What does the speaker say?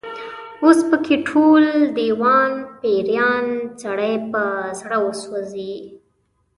اوس په کې ټول، دېوان پيریان، سړی په زړه وسوځي